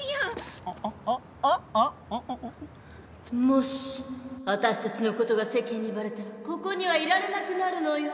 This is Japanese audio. もし私たちの事が世間にバレたらここにはいられなくなるのよ。